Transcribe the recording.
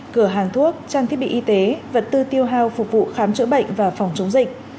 cửa hàng thuốc trang thiết bị y tế vật tư tiêu hao phục vụ khám chữa bệnh và phòng chống dịch